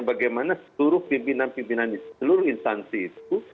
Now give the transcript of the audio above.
bagaimana seluruh pimpinan pimpinan di seluruh instansi itu